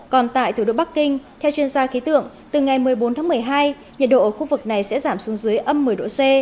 còn tại thủ đô bắc kinh theo chuyên gia khí tượng từ ngày một mươi bốn tháng một mươi hai nhiệt độ ở khu vực này sẽ giảm xuống dưới âm một mươi độ c